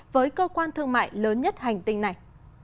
với cơ quan thương mại lớn nhất hành tinh này